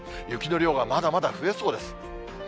雪の量がまだまだ増えそうです。